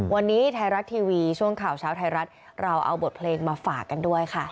วันนี้ไทยรัฐทีวีช่วงข่าวเช้าไทยรัฐเราเอาบทเพลงมาฝากกันด้วยค่ะ